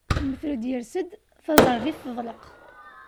Lmetred yers-d, taẓerbit teḍleq.